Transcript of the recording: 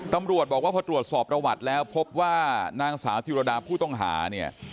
ตำรวจบอกว่าพอตรวจสอบประวัติแล้วพบว่านางสาวธิรดาผู้ต้องหาเนี่ย